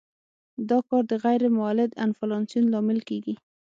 دا کار د غیر مولد انفلاسیون لامل کیږي.